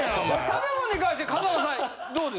食べ物に関して。